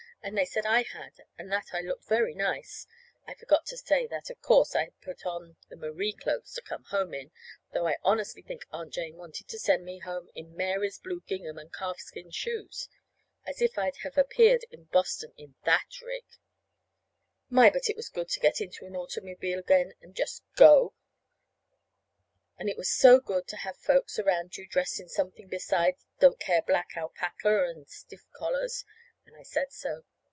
And they said I had, and that I looked very nice. (I forgot to say that, of course, I had put on the Marie clothes to come home in though I honestly think Aunt Jane wanted to send me home in Mary's blue gingham and calfskin shoes. As if I'd have appeared in Boston in that rig!) My, but it was good to get into an automobile again and just go! And it was so good to have folks around you dressed in something besides don't care black alpaca and stiff collars. And I said so.